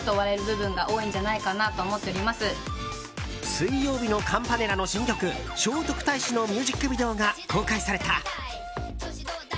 水曜日のカンパネラの新曲「聖徳太子」のミュージックビデオが公開された。